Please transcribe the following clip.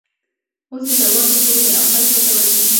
اوس یې دربار ښه تود دی او خلک ورته ورځي.